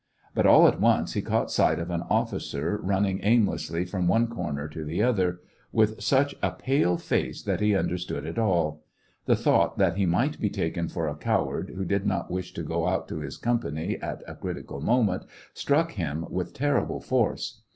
But all at once he caught sight of an officer running aimlessly from one corner to the other, with such a pale face that he understood it all. The thought that he might be taken for a coward, who did not wish to go out to his company at a critical moment, struck him with terrible force.